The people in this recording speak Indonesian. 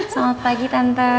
selamat pagi tante